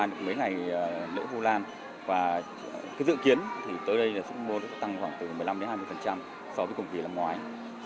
trải qua mấy ngày lễ vu lan và dự kiến tới đây là sức mô tăng khoảng từ một mươi năm hai mươi so với cùng kỳ lần ngoái